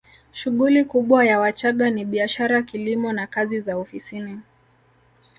Shughuli kubwa ya Wachagga ni biashara kilimo na kazi za ofisini